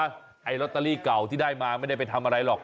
ไอ้ลอตเตอรี่เก่าที่ได้มาไม่ได้ไปทำอะไรหรอก